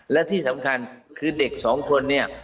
และที่สำคัญคือเด็กสองคนเนี่ย